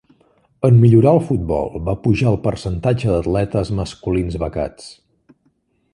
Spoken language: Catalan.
En millorar el futbol, va pujar el percentatge d'atletes masculins becats.